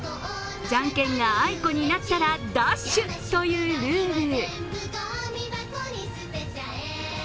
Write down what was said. じゃんけんがあいこになったらダッシュというルール。